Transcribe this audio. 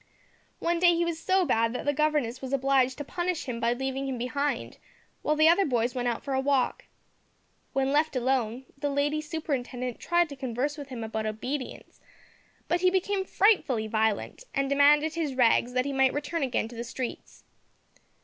One day he was so bad that the governess was obliged to punish him by leaving him behind, while the other boys went out for a walk. When left alone, the lady superintendent tried to converse with him about obedience, but he became frightfully violent, and demanded his rags that he might return again to the streets.